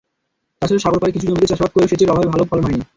তাছাড়া সাগরপাড়ের কিছু জমিতে চাষাবাদ করেও সেচের অভাবে ভালো ফলন হয়নি।